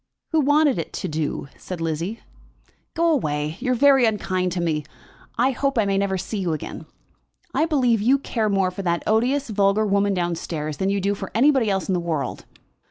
"Who wanted it to do?" said Lizzie. "Go away. You are very unkind to me. I hope I may never see you again. I believe you care more for that odious vulgar woman down stairs than you do for anybody else in the world."